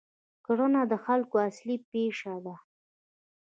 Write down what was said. کرنه د خلکو اصلي پیشه ده.